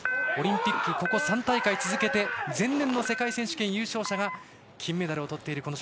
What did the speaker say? オリンピックここ３大会続けて前年の世界選手権優勝者が金メダルをとっている